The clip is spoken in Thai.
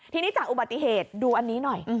ทีนี้จากอุบัติเหตุดูอันนี้หน่อย